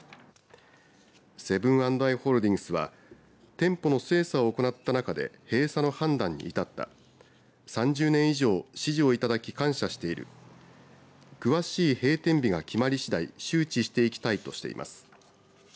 セブン＆アイ・ホールディングスは店舗の精査を行った中で閉鎖の判断に至った３０年以上支持をいただき感謝している詳しい閉店日が決まり次第支持していきたいとしています。